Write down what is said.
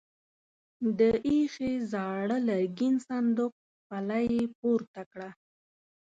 د ايښې زاړه لرګين صندوق پله يې پورته کړه.